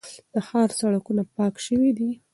د ښار سړکونه پاک شوي دي.